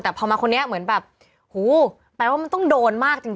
แต่พอมาคนนี้เหมือนแบบหูแปลว่ามันต้องโดนมากจริง